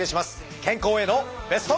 健康へのベスト。